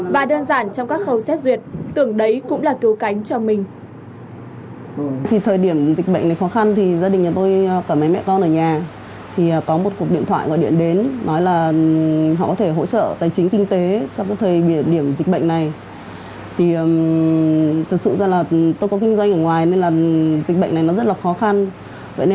và đơn giản trong các khâu xét duyệt tưởng đấy cũng là cứu cánh cho mình